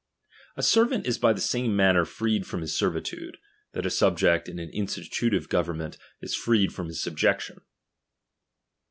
A servant is by the same manuer freed from >™i,iirti .™i. his servitude, that a subject in an institutive go vernment is freed from his subjection.